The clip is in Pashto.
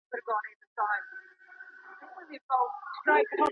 که لیکنه خرابه وي نو ښوونکی نمرې کموي.